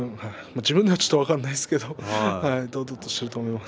自分ではちょっと分からないですけど堂々としていると思います。